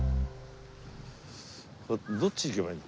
これどっち行けばいいの？